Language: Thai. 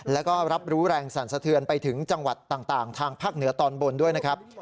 แล้วก็รับรู้แรงสั่นสะเทือนไปถึงจังหวัดต่างทางภาคเหนือตอนบนด้วยนะครับ